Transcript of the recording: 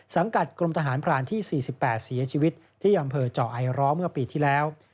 สังกัดกรมทหารพรานที่๔๘เสียชีวิตที่อำเภอเจาะไอร้อเมื่อปีที่แล้ว